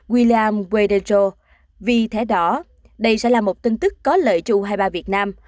william guaido vì thế đó đây sẽ là một tin tức có lợi cho u hai mươi ba việt nam